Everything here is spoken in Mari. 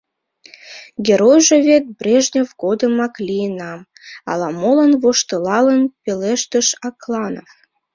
— Геройжо вет Брежнев годымак лийынам, — ала-молан воштылалын пелештыш Акланов.